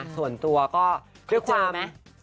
ส่วนตัวก็ด้วยความ